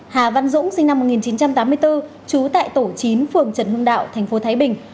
hà văn dũng sinh năm một nghìn chín trăm tám mươi bốn trú tại tổ chín phường trần hưng đạo tp thái bình